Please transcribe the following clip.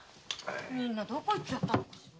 みんなどこへ行っちゃったのかしら。